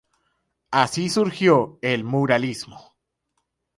Así surgió "El Muralismo".